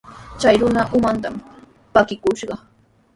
Chay runa umantami pakikushqa.